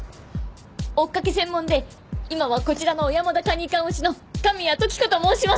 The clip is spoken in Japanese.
追っかけ専門で今はこちらの小山田管理官推しの神谷時子と申します。